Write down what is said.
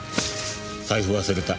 財布忘れた。